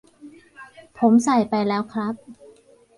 ผมใส่ไปแล้วครับ